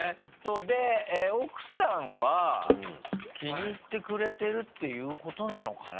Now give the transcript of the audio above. で奥さんは気に入ってくれてるっていうことなのかな？